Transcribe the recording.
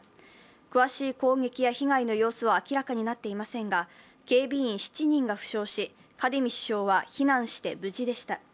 詳しい攻撃や被害の様子は明らかになっていませんが警備員７人が負傷し、カディミ首相は避難して無事でした。